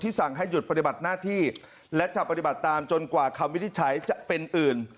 สั่งให้หยุดปฏิบัติหน้าที่และจะปฏิบัติตามจนกว่าคำวินิจฉัยจะเป็นอื่น